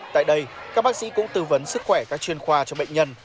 tại đây các bác sĩ cũng tư vấn sức khỏe các chuyên khoa cho bệnh nhân